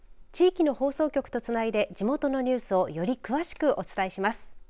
地域の放送局とつないで地元のニュースをより詳しくお伝えします。